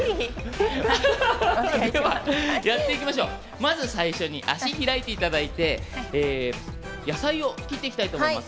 まず最初に足を開いていただいて野菜を切っていきたいと思います。